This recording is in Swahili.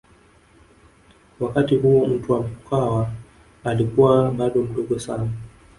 Wakati huo Mtwa Mkwawa alikuwa bado mdogo sana